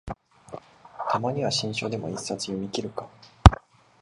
たまには新書でも一冊読みきるか